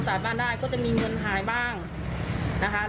๓๐๐๐แล้วก็จะมีสาวขอตาย